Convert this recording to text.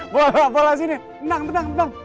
bola bola sini menang tenang tenang